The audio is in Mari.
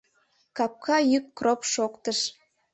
Капка йӱк кроп шоктыш.